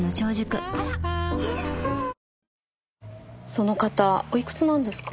その方おいくつなんですか？